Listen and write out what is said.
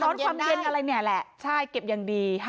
เก็บความร้อนความเย็นอะไรเนี่ยแหละใช่เก็บอย่างดี๕๐๐ใบ